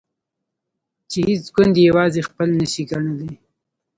چې هیڅ ګوند یې یوازې خپل نشي ګڼلای.